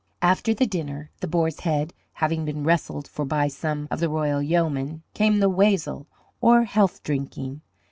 After the dinner the boar's head having been wrestled for by some of the royal yeomen came the wassail or health drinking.